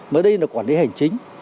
mới đây là quản lý hành chính